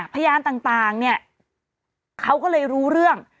พยานต่างเนี่ยเขาก็เลยรู้เรื่อง